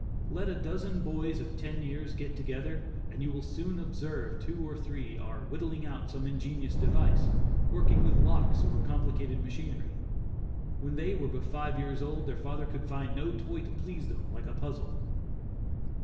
Let a dozen boys of ten years get together and you will soon observe two or three are "whittling" out some ingenious device; working with locks or complicated machinery. When they were but five years old, their father could find no toy to please them like a puzzle.